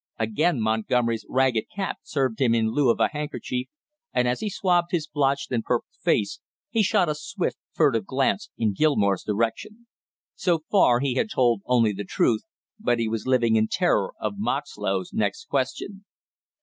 Again Montgomery's ragged cap served him in lieu of a handkerchief, and as he swabbed his blotched and purple face he shot a swift furtive glance in Gilmore's direction. So far he had told only the truth, but he was living in terror of Moxlow's next question.